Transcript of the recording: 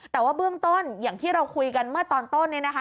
แต่ว่าเบื้องต้นอย่างที่เราคุยกันเมื่อตอนต้นเนี่ยนะคะ